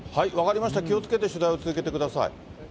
分かりました、気をつけて取材を続けてください。